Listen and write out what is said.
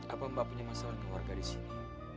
apa mbak punya masalah keluarga di sini